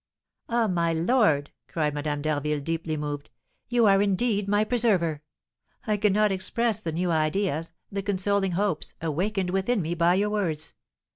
"Ah, my lord," cried Madame d'Harville, deeply moved, "you are indeed my preserver! I cannot express the new ideas, the consoling hopes, awakened within me by your words.